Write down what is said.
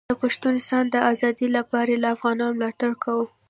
د پښتونستان د ازادۍ لپاره یې له افغانانو ملاتړ کاوه.